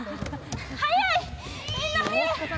速い、みんな速い。